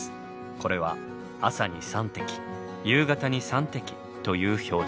これは朝に３滴夕方に３滴という表示。